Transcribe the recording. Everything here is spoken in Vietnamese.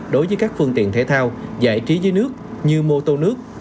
đối với các phương tiện thể thao giải trí dưới nước như mô tô nước